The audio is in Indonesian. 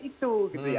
itu gitu ya